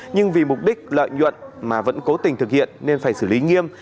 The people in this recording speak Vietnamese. nhưng vì mục đích lợi nhuận mà vẫn cố tình thực hiện nên phải xử lý nghiêm